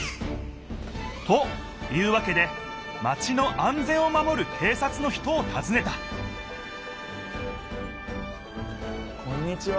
というわけでマチの安全を守る警察の人をたずねたこんにちは。